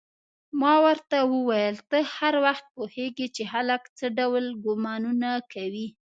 ما ورته وویل: ته هر وخت پوهېږې چې خلک څه ډول ګومانونه کوي؟